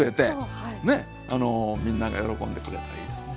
ねあのみんなが喜んでくれたらいいですね。